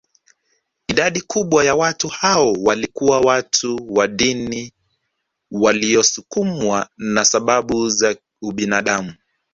Idadi kubwa ya watu hao walikuwa watu wa dini waliosukumwa na sababu za ubinadamu